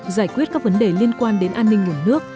giải quyết các vấn đề liên quan đến an ninh nguồn nước